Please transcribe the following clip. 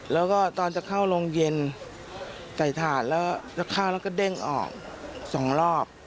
แล้วก็ตอนจะเข้าโรงเย็นใส่ถาดแล้วจะเข้าแล้วก็เด้งออกสองรอบ